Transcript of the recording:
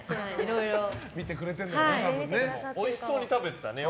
おいしそうに食べてたね。